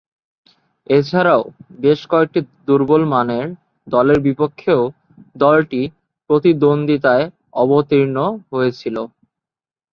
এছাড়াও, বেশ কয়েকটি দূর্বলমানের দলের বিপক্ষেও দলটি প্রতিদ্বন্দ্বিতায় অবতীর্ণ হয়েছিল।